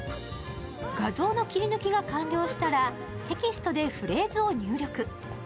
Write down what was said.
画像の切り抜きが完了したら、テキストでフレーズを入力。